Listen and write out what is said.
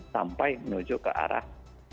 sampai menuju ke arah